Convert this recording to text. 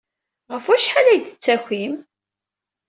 Ɣef wacḥal ay d-tettakim?